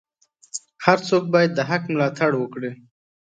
هر څوک باید د حق ملاتړ وکړي.